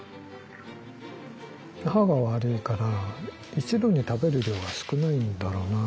歯が悪いから一度に食べる量が少ないんだろうな。